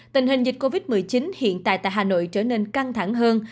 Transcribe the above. tình hình dịch covid một mươi chín hiện tại tại hà nội trở nên căng thẳng hơn